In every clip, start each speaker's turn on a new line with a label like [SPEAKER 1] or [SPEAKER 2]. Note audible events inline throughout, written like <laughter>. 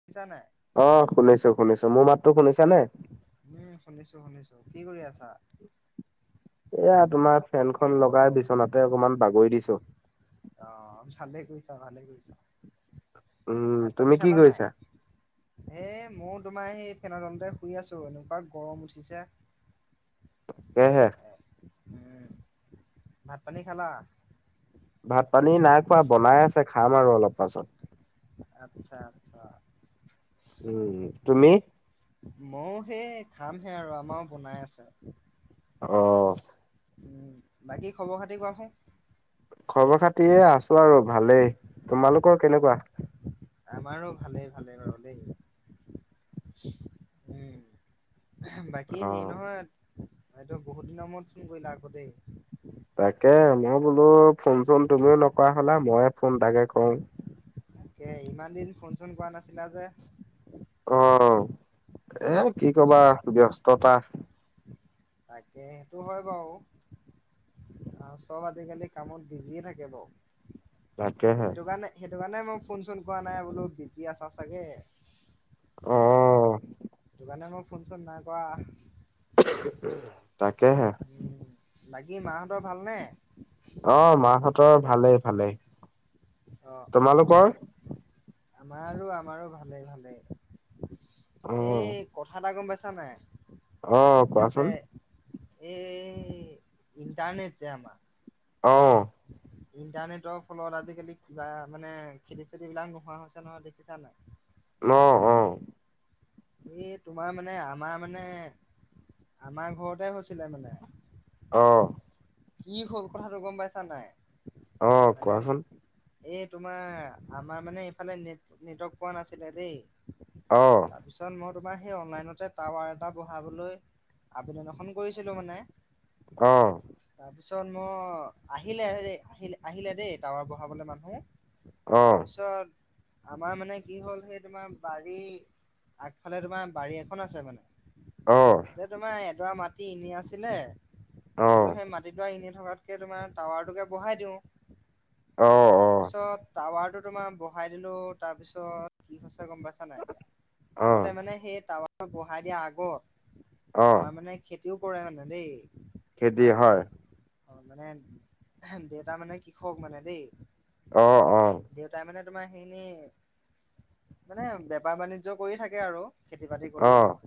[SPEAKER 1] শুনিছা নাই
[SPEAKER 2] অ শুনিছো শুনিছো মোৰ মাতো শুনিছা নে
[SPEAKER 1] উম শুনিছো শুনিছো কি কৰি আছা
[SPEAKER 2] এয়া তোমাৰ ফেন খন লগাই বিচনাতে অকমান বাগৰি দিছোঁ
[SPEAKER 1] অ ভালে কৰিছা ভালে কৰিছা
[SPEAKER 2] উম
[SPEAKER 1] ভাত পানী
[SPEAKER 2] তুমি কি
[SPEAKER 1] খালা নাই?
[SPEAKER 2] কৰিছা?
[SPEAKER 1] এ মও তোমাৰ সেই ফেনৰ তলতে শুই আছোঁ এনেকুৱা গৰম উঠিছে <unintelligible>
[SPEAKER 2] কেহে
[SPEAKER 1] উম ভাত পানী খালা
[SPEAKER 2] ভাত পানী নাই খোৱা বনাই আছে খাম আৰু অলপ পাছত
[SPEAKER 1] আচ্ছা আচ্ছা
[SPEAKER 2] উম তুমি
[SPEAKER 1] ময়ো সেই খামহে আৰু আমাৰও বনাই আছে
[SPEAKER 2] অ
[SPEAKER 1] বাকী খবৰ খাতি কোৱাচোন
[SPEAKER 2] খবৰ খাতিয়ে আছো আৰু ভালেই, তোমালোকৰ কেনেকুৱা?
[SPEAKER 1] আমাৰো ভালেই ভালে বাৰু দেই উম বাকী
[SPEAKER 2] অ
[SPEAKER 1] হেৰি নহয় এইটো বহুত দিনৰ মূৰত ফোন কৰিলা আগতেই
[SPEAKER 2] তাকে মই বোলো ফোন চোন তুমিও নকৰা হ'লা ময়ে ফোন এটাকে কৰোঁ
[SPEAKER 1] তাকে ইমান দিন ফোন চোন কৰা নাছিলা যে
[SPEAKER 2] অ এ কি কবা
[SPEAKER 1] কেলে?
[SPEAKER 2] ব্যস্ততা
[SPEAKER 1] তাকে সেইটো হয় বাৰু অহ চব আজিকালি কামত বিজি এ থাকে বাৰু
[SPEAKER 2] তাকেহে
[SPEAKER 1] সেইটো কাৰণে সেইটো কাৰণে মই ফোন চোন কৰা নাই বোলো বিজি আছা চাগে
[SPEAKER 2] অ
[SPEAKER 1] সেইটো কাৰণে মই ফোনচোন নাই কৰা
[SPEAKER 2] তাকেহে
[SPEAKER 1] উম বাকী মাহঁতৰ ভালনে
[SPEAKER 2] অ মা হঁতৰ ভালেই ভালেই
[SPEAKER 1] অঁ অ
[SPEAKER 2] তোমালোকৰ
[SPEAKER 1] আমাৰ আৰু আমাৰো ভালেই ভালেই
[SPEAKER 2] অ',
[SPEAKER 1] সেই কথা এটা গম পাইছা নাই
[SPEAKER 2] অ',
[SPEAKER 1] এতিয়া যে
[SPEAKER 2] কোৱাচোন
[SPEAKER 1] এই ইণ্টাৰনেট যে আমাৰ
[SPEAKER 2] অঁ
[SPEAKER 1] <inaudible> ইণ্টাৰনেটৰ ফলত আজিকালি কিবা মানে খেতি চেটি বিলাক নোহোৱা হৈছে নহয় দেখিছা নাই
[SPEAKER 2] অ অ
[SPEAKER 1] এই তোমাৰ মানে আমাৰ মানে আমাৰ ঘৰতে হৈছিলে মানে
[SPEAKER 2] অ
[SPEAKER 1] কি হল কথাতটো গম পাইছা নাই
[SPEAKER 2] অ
[SPEAKER 1] মানে
[SPEAKER 2] কোৱাছোন
[SPEAKER 1] এই তোমাৰ আমাৰ মানে এইফালে নেট নেটৱৰ্ক পোৱা নাছিলে দেই
[SPEAKER 2] অঁ
[SPEAKER 1] তাৰপিছত মই তোমাৰ সেই অনলাইনতে টাৱাৰ এটা বহাবলৈ আবেদন এখন কৰিছিলোঁ মানে।
[SPEAKER 2] অ'।
[SPEAKER 1] তাৰপিছত মই আহিলে দে, আহিল আহিলে দেই টাৱাৰ বহাবলৈ মানুহে।
[SPEAKER 2] অ',
[SPEAKER 1] তাৰপিছত আমাৰ মানে কি হ'ল সেই তোমাৰ বাৰী আগফালে তোমাৰ বাৰী এখন আছে মানে
[SPEAKER 2] অ', অ',
[SPEAKER 1] তাতে তোমাৰ এডৰা মাটি এনে আছিলে, বলো সেই মাট এনে থকাতকে তোমাৰ টাৱাৰটোকে বহাই দিওঁ।
[SPEAKER 2] অ', অ'।
[SPEAKER 1] পিছত টাৱাৰটো তোমাৰ বহাই দিলোঁ তাৰপিছত কি হৈছে গম পাইছা <unintelligible>
[SPEAKER 2] অ',
[SPEAKER 1] আগতে মানে সেই টাৱাৰ বহাই দিয়া আগত
[SPEAKER 2] অ',
[SPEAKER 1] আমাৰ মানে খেতিও কৰে মানে দেই।
[SPEAKER 2] খেতি হয়।
[SPEAKER 1] অ' মানে দেউতা মানে কৃষক মানে দেই।
[SPEAKER 2] অ', অ'।
[SPEAKER 1] দেউতাই মানে তোমাৰ সেইখিনি মানে বেপাৰ বাণিজ্য কৰি থাকে আৰু। খেতি বাতি কৰি,
[SPEAKER 2] অ',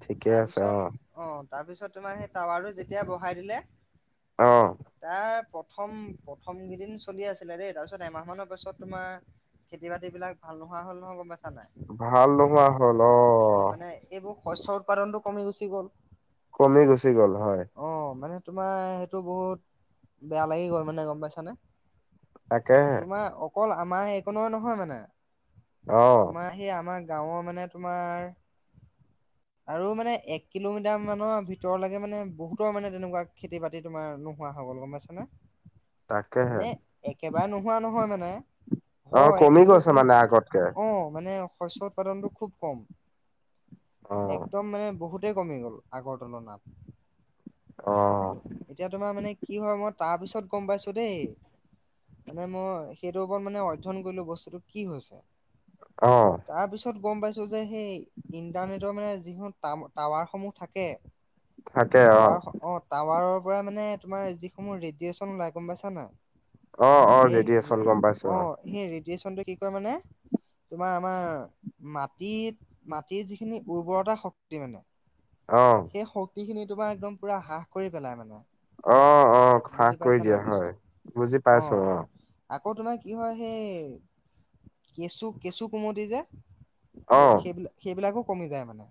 [SPEAKER 2] ঠিকে আছে
[SPEAKER 1] অ' তাৰপিছত তোমাৰ সেই টাৱাৰটো যেতিয়া বহাই দিলে
[SPEAKER 2] অ'।
[SPEAKER 1] তাৰ প্ৰথম প্ৰথম কেইদিন চলি আছিলে দেই তাৰপিছত এমাহ মানৰ পাছত তোমাৰ খেতি বাতিবিলাক ভাল নোহোৱা হল নহয় গম পাইছা নাই।
[SPEAKER 2] ভাল নোহোৱা হ'ল অ'।
[SPEAKER 1] এইবোৰ শস্যৰ উৎপাদনটো কমি গুচি গ'ল।
[SPEAKER 2] কমি গুচি গ'ল হয়।
[SPEAKER 1] অ' মানে তোমাৰ সেইটো বহুত বেয়া লাগি গ'ল মানে গম পাইছানে।
[SPEAKER 2] তাকেহে।
[SPEAKER 1] তোমাৰ অকল আমাৰ সেইকণে নহয় মানে,
[SPEAKER 2] অ',
[SPEAKER 1] তোমাৰ সেই আমাৰ গাঁৱৰ মানে তোমাৰ আৰু মানে এক কিলোমিটাৰ মানৰ ভিতৰলৈকে মানে বহুতৰ মানে তেনেকুৱা খেতি বা তি তোমাৰ নোহোৱা হৈ গ'ল গম পাইছানে,
[SPEAKER 2] তাকেহে
[SPEAKER 1] মানে একেবাৰে নোহোৱা নহয় মানে
[SPEAKER 2] অ',
[SPEAKER 1] হয়
[SPEAKER 2] কমি
[SPEAKER 1] কিন্তু
[SPEAKER 2] গৈছে
[SPEAKER 1] মানে
[SPEAKER 2] আগতকে
[SPEAKER 1] অ' মানে শস্য উৎপাদনটো খুব কম,
[SPEAKER 2] অ',
[SPEAKER 1] একদম মানে বহুত গোটেই কমি গ'ল আগৰ তুলনাত।
[SPEAKER 2] অ',
[SPEAKER 1] এতিয়া তোমাৰ মানে কি হয়, মই তাৰ পিছত গম পাইছোঁ দেই। মানে মই সেইটোৰ ওপৰত মানে অধ্যয়ন কৰিলোঁ বস্তুটো কি হৈছে।
[SPEAKER 2] অ'।
[SPEAKER 1] তাৰপিছত গম পাইছোঁ যে সেই ইণ্টাৰনেট <unintelligible> মানে যিখন টাম-টাৱাৰসমূহ থাকে, টাৱাৰ অ' টাৱাৰৰ পৰা মানে তোমাৰ যিসমূহ ৰেডিয়চন ওলাই গম পাইছা নাই।
[SPEAKER 2] অ', অ',
[SPEAKER 1] এই
[SPEAKER 2] ৰেডিয়েচন গম পাইছো
[SPEAKER 1] অ' সেই ৰেডিয়চনটো কি কৰে মানে তোমাৰ আমাৰ মাটিত মাটিৰ যিখিনি উৰ্বৰতা শক্তি মানে
[SPEAKER 2] অ'।
[SPEAKER 1] এই শক্তিখিনি তোমাৰ একদম পুৰা হ্ৰাস কৰি পেলাই মানে।
[SPEAKER 2] অ', অ' হ্ৰাস
[SPEAKER 1] বুজি পাইছা
[SPEAKER 2] কৰি
[SPEAKER 1] নাই
[SPEAKER 2] দিয়ে
[SPEAKER 1] কেছটো
[SPEAKER 2] হয়, বুজি পাইছোঁ অ'।
[SPEAKER 1] আকৌ তোমাৰ কি হয় সেই কেঁচু, কেঁচু কুমতি যে
[SPEAKER 2] অ',
[SPEAKER 1] সেই-সেইবি-সেইবিলাকো কমি যায় মানে,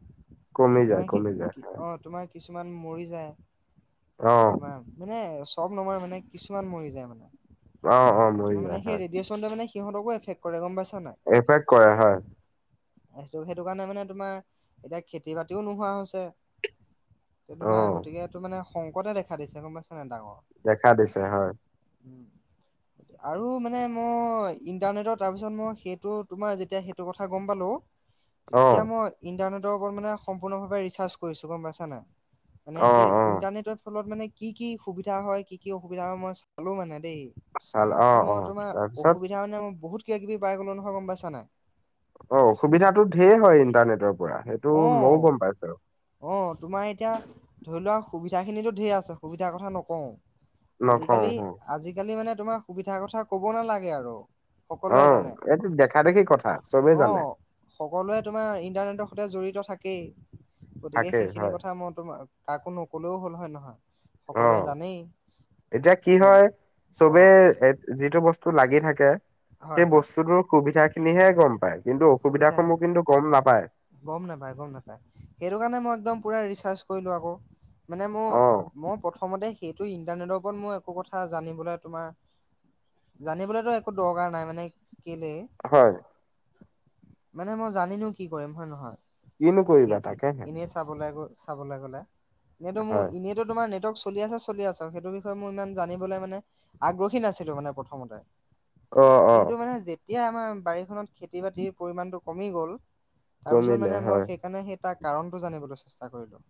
[SPEAKER 2] কমি যায়,
[SPEAKER 1] তোমাৰ সেই
[SPEAKER 2] কমি যায়,
[SPEAKER 1] কি তোমাৰ কিছুমান মৰি যায়
[SPEAKER 2] অ',
[SPEAKER 1] তোমাৰ মানে চব নমৰে মানে কিছুমান মৰি যায় মানে
[SPEAKER 2] অ', অ', মৰি
[SPEAKER 1] তোমাৰ মানে
[SPEAKER 2] যায়
[SPEAKER 1] সেই
[SPEAKER 2] হয়,
[SPEAKER 1] ৰেডিয়েচনটোৱে মানে সিহঁতকো এফেক্ট কৰে গম পাইছা নাই
[SPEAKER 2] এফেক্ট কৰে হয়
[SPEAKER 1] সেইটো সেইটো কাৰণে মানে তোমাৰ এতিয়া খেতি বাতিও নোহোৱা হৈছে তোমাৰ
[SPEAKER 2] অ',
[SPEAKER 1] গতিকে এইটো মানে সংকটে দেখা দিছে গম পাইছানে ডাঙৰ
[SPEAKER 2] দেখা দিছে হয়,
[SPEAKER 1] উম আৰু মানে মই ইণ্টাৰনেটৰ তাৰপিছত মই সেইটো তোমাৰ যেতিয়া সেইটো কথা গম পালোঁ তেতিয়া
[SPEAKER 2] অ',
[SPEAKER 1] মই ইন্টাৰনেটৰ ওপৰত মানে সম্পূৰ্ণভাৱে ৰিচাৰ্চ কৰিছো গম পাইছানে নাই মানে সেই
[SPEAKER 2] অ', অ',
[SPEAKER 1] ইণ্টাৰনেটত ফলত মানে কি কি সুবিধা হয় কি কি অসুবিধা হয় মই চালো মানে দেই
[SPEAKER 2] চাল অ',
[SPEAKER 1] মই
[SPEAKER 2] অ',
[SPEAKER 1] তোমাৰ
[SPEAKER 2] তাৰপিছত
[SPEAKER 1] অসুবিধা মানে মই বহুত কিবা কিবি পাই গ'লো নহয় গম পাইছা নাই
[SPEAKER 2] অ অসুবিধাতো ঢেৰ হয় ইণ্টাৰনেটৰ পৰা সেইটো ময়ো গম পাইছো,
[SPEAKER 1] অ' অ' তোমাৰ এতিয়া ধৰি লোৱা সুবিধাখিনিতো ঢেৰ আছে সুবিধাৰ কথা নকওঁ
[SPEAKER 2] নকওঁ
[SPEAKER 1] আজিকালি
[SPEAKER 2] অ',
[SPEAKER 1] আজিকালি মানে তোমাৰ সুবিধাৰ কথা ক'ব নালাগে আৰু সকলোৱে
[SPEAKER 2] অ'
[SPEAKER 1] জানে
[SPEAKER 2] এইটো দেখা দেখি কথা চবেই জানে
[SPEAKER 1] অ', সকলোৱে তোমাৰ ইণ্টাৰনেটৰ সৈতে জড়িত থাকেই গতিকে
[SPEAKER 2] থাকেই
[SPEAKER 1] সেইখিনি
[SPEAKER 2] হয়,
[SPEAKER 1] কথা মই তোমা কাকো নকলেও হ'ল হয় নহয় সকলোৱে
[SPEAKER 2] অ',
[SPEAKER 1] জানেই
[SPEAKER 2] এতিয়া কি
[SPEAKER 1] গতি
[SPEAKER 2] হয়
[SPEAKER 1] অ',
[SPEAKER 2] চবেই যিটো বস্তু লাগি থাকে
[SPEAKER 1] হয়
[SPEAKER 2] সেই
[SPEAKER 1] হয়
[SPEAKER 2] বস্তুটোৰ সুবিধা খিনিহে গম পায় কিন্তু অসুবিধা
[SPEAKER 1] সুবিধাহীন
[SPEAKER 2] সমূহ কিন্তু গম নাপায়
[SPEAKER 1] গম নাপায় গম নাপায় সেইটো কাৰণে মই একদম পূৰা ৰিচাৰ্জ কৰিলোঁ আকৌ মানে মোৰ
[SPEAKER 2] অ',
[SPEAKER 1] মই প্ৰথমতে সেইটো ইন্টাৰনেটৰ ওপৰত মোৰ একো কথা জানিবলৈ তোমাৰ জানিবলৈতো একো দৰকাৰ নাই মানে কেলে
[SPEAKER 2] হয়
[SPEAKER 1] মানে মই জানিনো কি কৰিম হয়
[SPEAKER 2] কিনো
[SPEAKER 1] নহয়
[SPEAKER 2] কৰিবা তাকেহে
[SPEAKER 1] এনে চাবলৈ গৈ চাবলৈ গ'লে সেইটো মোৰ
[SPEAKER 2] হয়।
[SPEAKER 1] ইউনিট সেইটো তোমাৰ নেটৱৰ্ক চলি আছে চলি আছে আও সেইটো বিষয়ে মোৰ ইমান জানিবলৈ মানে আগ্ৰহী নাছিলো মানে প্ৰথমতে
[SPEAKER 2] অ', অ',
[SPEAKER 1] কিন্তু মানে যেতিয়া আমাৰ বাৰীখনত খেতি বাতিৰ পৰিমাণটো কমি গ'ল তাৰপিছত
[SPEAKER 2] কমিলে
[SPEAKER 1] মানে মই
[SPEAKER 2] হয়
[SPEAKER 1] সেইকাৰণে সেই তাৰ কাৰণটো জানিবলৈ চেষ্টা কৰিলো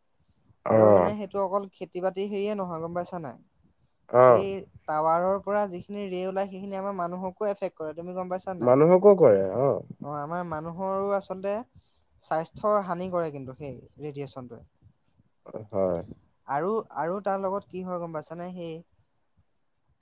[SPEAKER 1] আৰু
[SPEAKER 2] অ',
[SPEAKER 1] মানে সেই টো অকল খেতি বাতি হেৰিয়ে নহয় গম পাইছা নে নাই
[SPEAKER 2] অ'।
[SPEAKER 1] এই টাৱাৰৰ পৰা যিখিন ৰে' ওলাই সেইখিনিয়ে আমাৰ মানুহকো এফেক্ট কৰে তুমি গম পাইছা নাই
[SPEAKER 2] মানুহকো কৰে অ'
[SPEAKER 1] অ' আমাৰ মানুহৰো আচ চলতে স্বাস্থ্যৰ হানি কৰে কিন্তু সেই ৰেডিয়েচনটোৱে
[SPEAKER 2] হয়
[SPEAKER 1] আৰু আৰু তাৰ লগত কি হয় গম পাইছানে সেই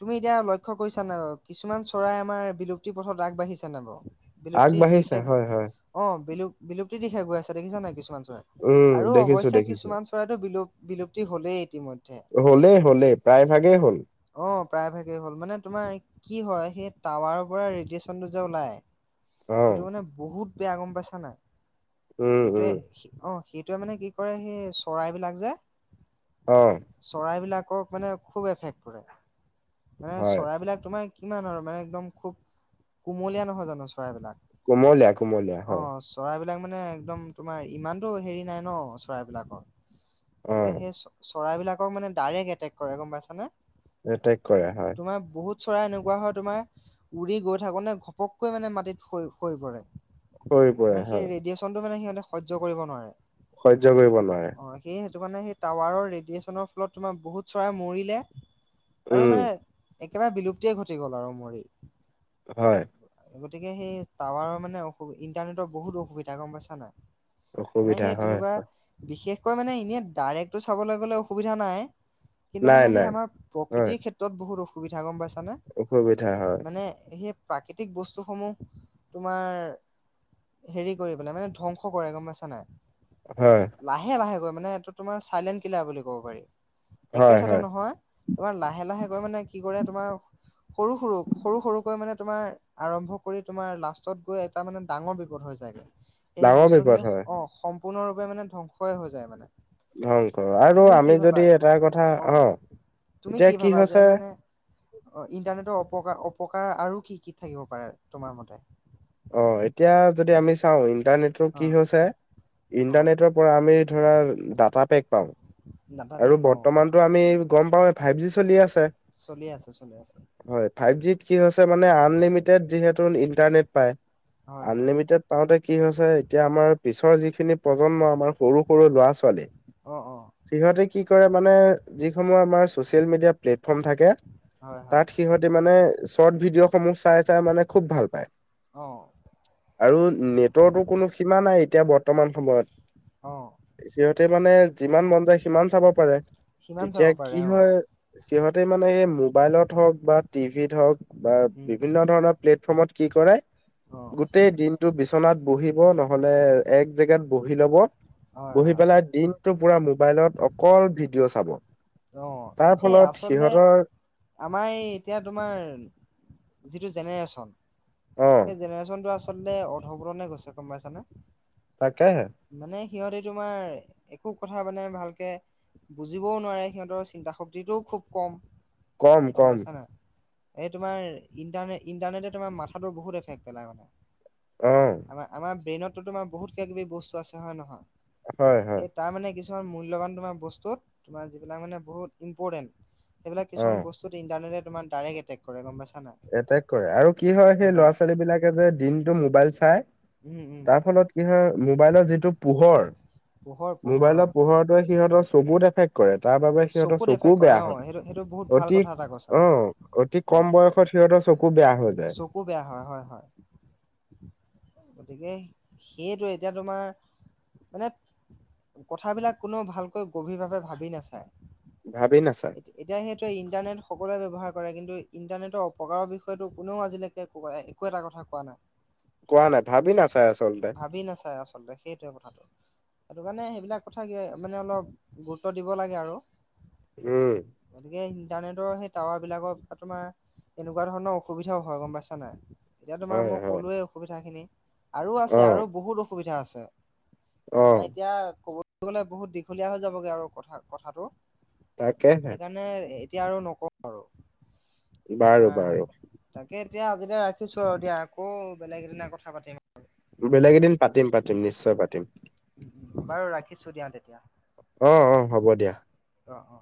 [SPEAKER 1] তুমি এতিয়া লক্ষ্য কৰিছা নাই বাৰু কিছুমান চৰাই আমাৰ বিলুপ্তি পথত আগবাঢ়িছে নাই বাৰু বিলুপ্তিৰ
[SPEAKER 2] আগবাঢ়িছে
[SPEAKER 1] দিশে
[SPEAKER 2] হয় হয়
[SPEAKER 1] অ' বিলুপ বিলুপ্তিৰ দিশে গৈ আছে দেখিছা নাই কিছুমান চৰাই
[SPEAKER 2] উম,
[SPEAKER 1] আৰু
[SPEAKER 2] দেখিছো
[SPEAKER 1] অৱশ্যে
[SPEAKER 2] দেখিছো
[SPEAKER 1] কিছুমান চৰাইতো বিলুপ বিলুপ্তি হ'লেই ইতিমধ্যে
[SPEAKER 2] হ'লে হ'লে প্ৰায় ভাগেই হ'ল
[SPEAKER 1] অ' প্ৰায় ভাগেই হ'ল, মানে তোমাৰ কি হয়? সেই টাৱাৰৰ পৰা ৰেডিয়েচনটো যে ওলায়। সেইটো
[SPEAKER 2] অ'।
[SPEAKER 1] মানে, বহুত বেয়া! গ'ম পাইছা নাই?
[SPEAKER 2] উম,
[SPEAKER 1] সেইটোৱে,
[SPEAKER 2] উম,
[SPEAKER 1] অ'! সেইটোৱে মানে, কি কৰে, সেই চৰাইবিলাক যে
[SPEAKER 2] অ'!
[SPEAKER 1] চৰাইবিলাকক মানে, খুউব এফেক্ট কৰে। মানে,
[SPEAKER 2] হয়
[SPEAKER 1] চৰাইবিলাক তোমাৰ কিমান আৰু মানে, একদম খুউব, কোমলীয়া নহয় জানোঁ! চৰাইবিলাক।
[SPEAKER 2] কুমলীয়া-কুমলীয়া, হয়।
[SPEAKER 1] অ', চৰাইবিলাক মানে, একদম তোমাৰ, ইমানতো সেৰি নাই ন' চৰাইবিলাকৰ। গতিকে,
[SPEAKER 2] অ',
[SPEAKER 1] সেই চ, চৰাইবিলাকক মানে, ডাইৰেক্ট এটেক কৰে। গম পাইছানে?
[SPEAKER 2] এটেক কৰে, হয়।
[SPEAKER 1] তোমাৰ, বহুত চৰাই এনেকুৱা হয় তোমাৰ, উৰি গৈ থাকোঁতে ঘপককৈ মানে, মাটিত সৰি পৰে।
[SPEAKER 2] সৰি
[SPEAKER 1] মানে,
[SPEAKER 2] পৰে
[SPEAKER 1] সেই
[SPEAKER 2] হয়।
[SPEAKER 1] ৰেডিয়েচনটো মানে, সিহঁতে সহ্য কৰিব নোৱাৰে।
[SPEAKER 2] সহ্য কৰিব নোৱাৰে।
[SPEAKER 1] অ'! সেই, সেইটো কাৰণে সেই, টাৱাৰৰ ৰেডিয়েচনৰ ফলত তোমাৰ, বহুত চৰাই মৰিলে। আৰু
[SPEAKER 2] উম,
[SPEAKER 1] মানে, একেবাৰে বিলুপ্তিয়ে ঘটি গ'ল আৰু মৰি।
[SPEAKER 2] হয়!
[SPEAKER 1] গতিকে, সেই টাৱাৰৰ মানে, অসু ইন্টাৰনেটৰ বহুত অসুবিধা। গ'ম পাইছা নাই? মানে,
[SPEAKER 2] অসুবিধা
[SPEAKER 1] সেই
[SPEAKER 2] হয়
[SPEAKER 1] তেনেকুৱা, বিশেষকৈ মানে, এনেই ডাইৰেক্টটো চাবলৈ গ'লে অসুবিধা নাই। কিন্তু
[SPEAKER 2] নাই
[SPEAKER 1] মানে, সেই
[SPEAKER 2] নাই।
[SPEAKER 1] আমাৰ,
[SPEAKER 2] হয়
[SPEAKER 1] প্ৰকৃতিৰ ক্ষেত্ৰত বহুত অসুবিধা। গ'ম পাইছানে!
[SPEAKER 2] অসুবিধা হয়
[SPEAKER 1] মানে, সেই প্ৰাকৃতিক বস্তুসমূহ তোমাৰ সেৰি কৰি পেলাই। মানে, ধ্বংস কৰে। গ'ম পাইছা নাই?
[SPEAKER 2] হয়!
[SPEAKER 1] লাহে-লাহে কৈ মানে। এইটো তোমাৰ চাইলেণ্ট কিলাৰ বুলি ক'ব পাৰি। একে
[SPEAKER 2] হয়
[SPEAKER 1] চাইডে
[SPEAKER 2] হয়
[SPEAKER 1] নহয়। তোমাৰ লাহে-লাহে কৈ মানে, কি কৰে তোমাৰ সৰু-সৰু, সৰু-সৰুকৈ মানে, তোমাৰ আৰম্ভ কৰি তোমাৰ লাষ্টত গৈ তাৰমানে, ডাঙৰ বিপদ হৈ যায়গে। সেই
[SPEAKER 2] ডাঙৰ
[SPEAKER 1] বস্তু
[SPEAKER 2] বিপদ
[SPEAKER 1] খিনি
[SPEAKER 2] হয়
[SPEAKER 1] অ'! সম্পূৰ্ণৰূপে মানে, ধ্বংসই হৈ যায় মানে।
[SPEAKER 2] ধ্বংস। আৰু
[SPEAKER 1] তুমি কি
[SPEAKER 2] আমি
[SPEAKER 1] ভাবা
[SPEAKER 2] যদি এটা কথা অ'!
[SPEAKER 1] তুমি
[SPEAKER 2] এতিয়া
[SPEAKER 1] কি ভাবা? যে
[SPEAKER 2] হৈছে
[SPEAKER 1] মানে অ'! ইণ্টাৰনেটৰ অপকাৰ, অপকাৰ আৰু কি কি থাকিব পাৰে, তোমাৰ মতে?
[SPEAKER 2] অ'! এতিয়া যদি আমি চাওঁ! ইণ্টাৰনেট
[SPEAKER 1] অ
[SPEAKER 2] কি হৈছে,
[SPEAKER 1] অ
[SPEAKER 2] ইণ্টাৰনেটৰ পৰা আমি ধৰা, ডাটা পেক পাওঁ।
[SPEAKER 1] ডাটা পেক
[SPEAKER 2] আৰু
[SPEAKER 1] পাওঁ
[SPEAKER 2] বৰ্তমানতো আমি, গ'ম পাওঁৱেই ফাইভ জি চলি আছে।
[SPEAKER 1] চলি আছে, চলাই আছে।
[SPEAKER 2] ফাইভ জিট কি হৈছে মানে, আনলিমিটেড যিহেতু ইণ্টাৰনেট পায়।
[SPEAKER 1] হয় হয়
[SPEAKER 2] আনলিমিটেড পাওঁতে কি হৈছে, এতিয়া আমাৰ পিছৰ যিখিনি প্ৰজন্ম, আমাৰ সৰু-সৰু ল'ৰা- ছোৱালী।
[SPEAKER 1] অ' অ'!
[SPEAKER 2] সিহঁতে কি কৰে মানে, যিসমূহ আমাৰ ছ'চিয়েল মিডিয়া প্লেটফৰ্ম থাকে।
[SPEAKER 1] হয় হয়
[SPEAKER 2] তাত সিহঁতে মানে, চৰ্ট ভিডিঅ' সমূহ চাই-চাই মানে, খুউব ভাল পায়।
[SPEAKER 1] অ'!
[SPEAKER 2] আৰু নেটৰটো কোনো সীমা নাই, এতিয়া বৰ্তমান সময়ত।
[SPEAKER 1] অ'!
[SPEAKER 2] সিহঁতে মানে, যিমান মন যায়, সিমান চাব পাৰে।
[SPEAKER 1] সিমান চাব
[SPEAKER 2] তেতিয়া, কি
[SPEAKER 1] পাৰে অ
[SPEAKER 2] হয়! সিহঁতে মানে, সেই মোবাইলত হওঁক বা টিভিত হওঁক বা
[SPEAKER 1] উম
[SPEAKER 2] বিভিন্ন ধৰণৰ প্লেটফৰ্মত কি কৰাই?
[SPEAKER 1] অ
[SPEAKER 2] গোটেই দিনটো বিচনাত বহিব, নহ'লে এক জেগাত বহি ল'ব
[SPEAKER 1] হয়
[SPEAKER 2] বহি
[SPEAKER 1] হয়
[SPEAKER 2] পেলাই দিনটোৰ পুৰা মোবাইলত অকল ভিডিঅ' চাব।
[SPEAKER 1] অ,
[SPEAKER 2] তাৰ
[SPEAKER 1] এ,
[SPEAKER 2] ফলত
[SPEAKER 1] আচলতে
[SPEAKER 2] সিহঁতৰ
[SPEAKER 1] আমাৰ এই এতিয়া তোমাৰ যিটো জেনেৰেশ্যন,
[SPEAKER 2] অ'
[SPEAKER 1] সেই জেনেৰেশ্যনটো আচল তে অৰ্ধপতণে গৈছে, গম পাইছানে!
[SPEAKER 2] তাকে হে।
[SPEAKER 1] মানে সিহঁতে তোমাৰ, একো কথা মানে ভালকে বুজিবও নোৱাৰে। সিহঁতৰ চিন্তা শক্তিটোও খুব কম,
[SPEAKER 2] কম
[SPEAKER 1] গম
[SPEAKER 2] কম
[SPEAKER 1] পাইছা নাই! এই তোমাৰ ইণ্টাৰনেট-ইণ্টাৰনেটে তোমাৰ মাথাটো বহুত এফেক্ট পেলাই মানে।
[SPEAKER 2] অ।
[SPEAKER 1] আমাৰ-আমাৰ ব্ৰেইনতো তোমাৰ বহুত কিবা-কিবি বস্তু আছে হয় নহয়!
[SPEAKER 2] হয়, হয়।
[SPEAKER 1] এই তাৰ মানে কিছুমান মূল্যৱান তোমাৰ বস্তুত, তোমাৰ যিবিলাক মানে বহুত ইম্পৰ্টেণ্ট সেইবিলাক
[SPEAKER 2] অ'।
[SPEAKER 1] কিছুমান বস্তুত ইণ্টাৰটে তোমাৰ ডাইৰেকট এটেক কৰে, গম পাইছা নাই!
[SPEAKER 2] এটেক কৰে, আৰু কি হয়, সেই
[SPEAKER 1] সেইকাৰণে।
[SPEAKER 2] ল'ৰা-ছোৱালী বিলাকে যে দিনটো মোবাইল চাই,
[SPEAKER 1] উম উম
[SPEAKER 2] তাৰ ফলত কি হয়, মোবাইলৰ যিটো পোহৰ,
[SPEAKER 1] পোহৰ পোহৰ অ
[SPEAKER 2] মোবাইলৰ পোহৰতে সিহঁতৰ চকু দেখ কৰে, তাৰ বাবে সিহঁতৰ
[SPEAKER 1] চকুত
[SPEAKER 2] চকু
[SPEAKER 1] এফেক্ট কৰে
[SPEAKER 2] বেয়া
[SPEAKER 1] অ
[SPEAKER 2] হয়,
[SPEAKER 1] সেইটো সেইটো বহুত ভাল
[SPEAKER 2] অতি
[SPEAKER 1] কথা এটা কৈছা
[SPEAKER 2] অ, অতি
[SPEAKER 1] অ
[SPEAKER 2] কম বয়স সিহঁৰ চকু বেয়া হ'ল।
[SPEAKER 1] চকু বেয়া হয়, হয়, হয়। গতিকে সেইটোৱে, এতিয়া তোমাৰ মানে কথাবিলাক কোনেও ভালকৈ গভীৰভাৱে ভাবি নাচায়।
[SPEAKER 2] ভাবি নাচায়।
[SPEAKER 1] এতিয়া সেইটোৱে ইণ্টাৰনেট সকলোৱে ব্যৱহাৰ কৰে, কিন্তু ইণ্টাৰনেটৰ অপকাৰৰ বিষয়েটো কোনেও আজিলৈকে একো এটা কথা কোৱা নাই।
[SPEAKER 2] কোৱা নাই, ভাবি নাচায়, আচলতে।
[SPEAKER 1] ভাবি নাচায় আচলতে, সেইটোৱে কথাটো। সেইটো কাৰণে সেইবিলাক কথা <unintelligible> মানে অলপ গুৰুত্ব দিব লাগে আৰু।
[SPEAKER 2] উম।
[SPEAKER 1] গতিকে, ইণ্টাৰনেটৰ সেই টাৱাৰ বিলাকৰ তোমাৰ এনেকুৱা ধৰণৰ অসুবিধাও হয়, গম পাইছা নাই! এতিয়া তোমাক
[SPEAKER 2] হয়
[SPEAKER 1] মই
[SPEAKER 2] হয়
[SPEAKER 1] ক'লোৱেই অসুবিধা খিনি, আৰু
[SPEAKER 2] অ
[SPEAKER 1] আছে, আৰু বহুত অসুবিধা আছে।
[SPEAKER 2] অ
[SPEAKER 1] তোমাৰ এতিয়া ক'বলৈ গ'লে বহুত দীঘলীয়া হৈ যাবগে আৰু কথা-কথাটো।
[SPEAKER 2] তাকেহে
[SPEAKER 1] সেইকাৰণে, এতিয়া আৰু নকওঁ আৰু
[SPEAKER 2] বাৰু
[SPEAKER 1] তোমাৰ
[SPEAKER 2] বাৰু
[SPEAKER 1] তাকে, এতিয়া আজিলৈ ৰাখিছো আৰু দিয়া, আকৌ বেলেগ এদিনা কথা পাতিম। ভালকে
[SPEAKER 2] বেলেগ এদিন পাতিম-পাতিম, নিশ্চয় পাতিম।
[SPEAKER 1] বাৰু ৰাখিছো দিয়া তেতিয়া।
[SPEAKER 2] অ, অ, হ'ব দিয়া।
[SPEAKER 1] অ, অ।